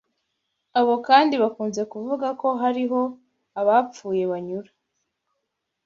Abo kandi bakunze kuvuga ko hariho abapfuye banyura